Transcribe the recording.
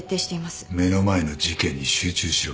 目の前の事件に集中しろ。